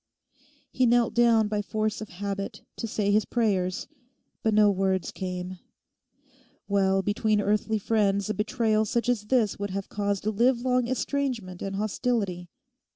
He knelt down by force of habit to say his prayers; but no words came. Well, between earthly friends a betrayal such as this would have caused a livelong estrangement and hostility.